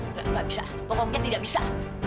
nggak bisa pokoknya tidak bisa